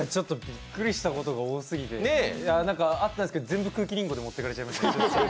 びっくりしたことが多すぎて、あったんですけど、全部、空気りんごに持ってかれちゃいました。